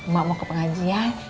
mak mau ke pengajian